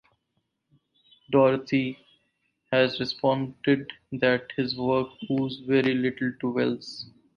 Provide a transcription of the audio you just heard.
Doherty has responded that his work owes very little to Wells.